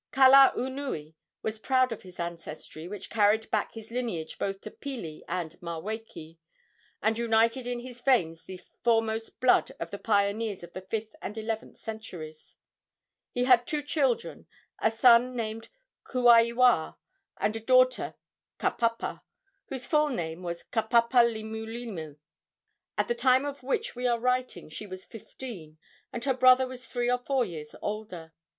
Kalaunui was proud of his ancestry, which carried back his lineage both to Pili and Maweke, and united in his veins the foremost blood of the pioneers of the fifth and eleventh centuries. He had two children a son named Kuaiwa, and a daughter, Kapapa, whose full name was Kapapalimulimu. At the time of which we are writing she was fifteen, and her brother was three or four years older.